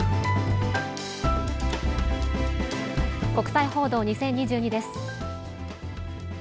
国際報道２０２２です。